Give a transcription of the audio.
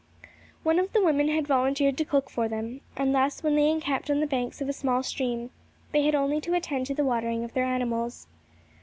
One of the women had volunteered to cook for them; and thus, when they encamped on the banks of a small stream, they had only to attend to the watering of their animals.